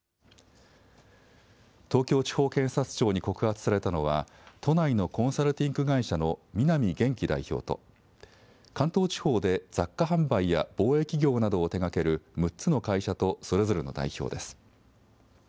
東京地方検察庁に告発されたのは、都内のコンサルティング会社の南元貴代表と、関東地方で雑貨販売や貿易業などを手がける６つの会社とそれぞれの代表です。